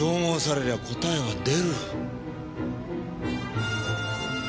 れりゃ答えは出る。